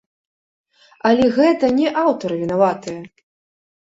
Але гэта не аўтары вінаватыя.